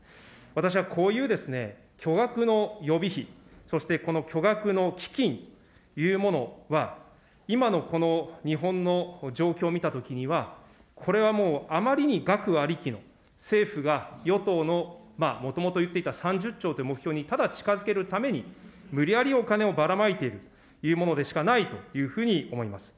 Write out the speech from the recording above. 私はこういう巨額の予備費、そしてこの巨額の基金というものは、今のこの日本の状況を見たときには、これはもう、あまりに額ありきの、政府が与党の、もともと言っていた３０兆という目標にただ近づけるために、無理やりお金をばらまいているというものでしかないというふうに思います。